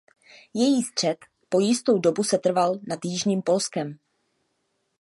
Její střed po jistou dobu setrval nad jižním Polskem.